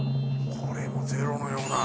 これもゼロのような。